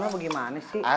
lu bagaimana sih